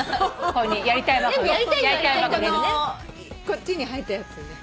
こっちに入ったやつね。